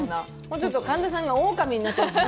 ちょっと神田さんがオオカミがなっちゃった。